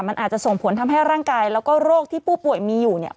มันอาจจะส่งผลทำให้ร่างกายแล้วก็โรคที่ผู้ป่วยมีอยู่เนี่ย